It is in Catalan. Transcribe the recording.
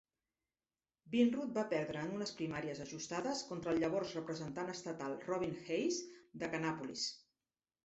Vinroot va perdre en unes primàries ajustades contra el llavors representant estatal Robin Hayes, de Kannapolis.